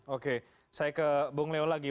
oke saya ke bung leo lagi